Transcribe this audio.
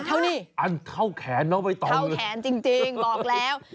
เขานี่อันเข้าแคนน้อยเข้าแขนจริงจริงบอกแล้ว